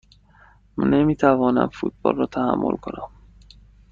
من نمی توانم فوتبال را تحمل کنم.